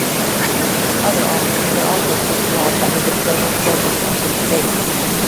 Other offices are also prescribed under the Civil Service of the State.